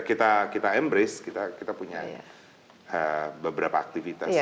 kita embrace kita punya beberapa aktivitas